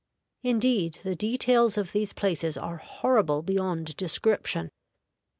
Indeed, the details of these places are horrible beyond description.